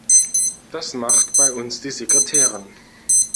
Das macht bei uns die Sekretärin.